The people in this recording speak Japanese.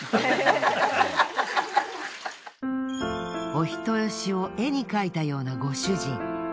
お人好しを絵に描いたようなご主人。